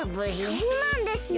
そうなんですね！